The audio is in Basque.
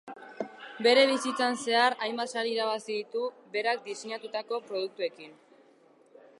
Bere bizitzan zehar hainbat sari irabazi ditu berak diseinatutako produktuekin.